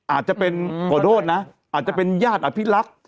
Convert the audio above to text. อาจจะเป็นขอโทษนะอาจจะเป็นญาติอภิรักษ์